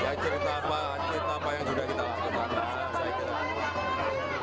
ya cerita apa cerita apa yang sudah kita lakukan saya tidak tahu